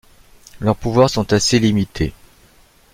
Leurs pouvoirs sont assez limités.